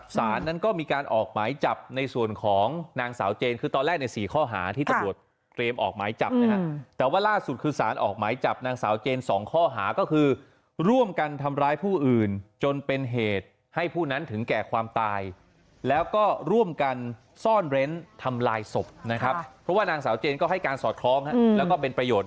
สารนั้นก็มีการออกหมายจับในส่วนของนางสาวเจนคือตอนแรกใน๔ข้อหาที่ตำรวจเตรียมออกหมายจับนะฮะแต่ว่าล่าสุดคือสารออกหมายจับนางสาวเจนสองข้อหาก็คือร่วมกันทำร้ายผู้อื่นจนเป็นเหตุให้ผู้นั้นถึงแก่ความตายแล้วก็ร่วมกันซ่อนเร้นทำลายศพนะครับเพราะว่านางสาวเจนก็ให้การสอดคล้องแล้วก็เป็นประโยชน